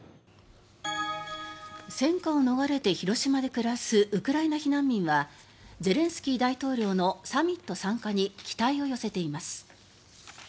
戦火を逃れて広島で暮らすウクライナ避難民はゼレンスキー大統領のサミット参加に期待を寄せています。